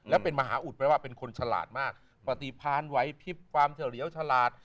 และเป็นมหาอุดแปลว่าเป็นคนฉลาดมากปฏิพันธ์ไหวพิบความเฉลียวฉลาด